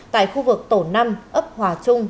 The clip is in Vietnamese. tại khu vực tổ năm ấp hòa trung